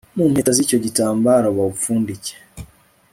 mu mpeta z icyo gitambaro bawupfundike